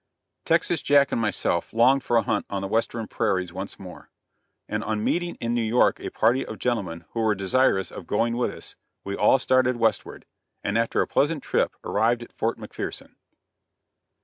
Texas Jack and myself longed for a hunt on the Western prairies once more; and on meeting in New York a party of gentlemen who were desirous of going with us, we all started Westward, and after a pleasant trip arrived at Fort McPherson.